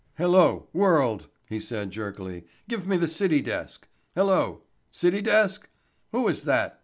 "Hello, World?" he said jerkily, "give me the city desk ... hello ... city desk?... Who is that?